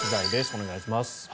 お願いします。